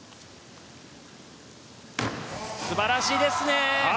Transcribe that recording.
素晴らしいですね！